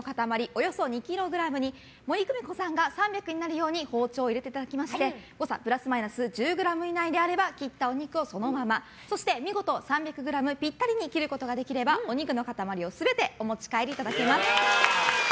およそ２ｋｇに森公美子さんが３００ｇになるように包丁を入れていただきまして誤差プラスマイナス１０ｇ以内であれば切ったお肉をそのままそして見事３００ｇぴったりに切ることができればお肉の塊を全てお持ち帰りいただけます。